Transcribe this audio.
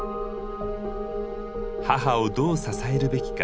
母をどう支えるべきか。